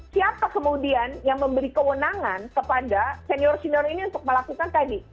siapa kemudian yang memberi kewenangan kepada senior senior ini untuk melakukan tadi